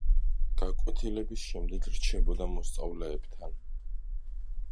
გაკვეთილების შემდეგ რჩებოდა მოსწავლეებთან.